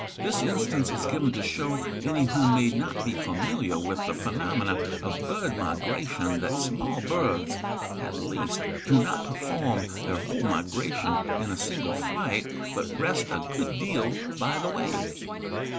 This instance is given to show any who may not be familiar with the phenomena of bird migration that small birds, at least, do not perform their whole migration in a single flight, but rest a good deal by the way.